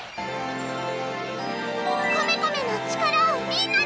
コメコメの力をみんなに！